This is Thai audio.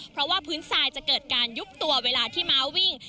เพราะว่าพื้นทรายจะเกิดการยุบตัวเวลาที่ม้าวิ่ง